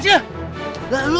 eh lah lu